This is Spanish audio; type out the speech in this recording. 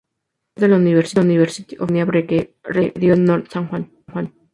Profesor de la University of California Berkeley, residió en North San Juan.